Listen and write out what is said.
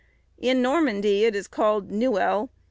In Normandy it is called nuel.